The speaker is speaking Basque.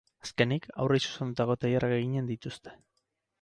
Azkenik, haurrei zuzendutako tailerrak eginen dituzte.